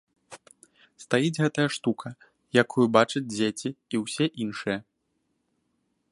Стаіць гэтая штука, якую бачаць дзеці і ўсе іншыя.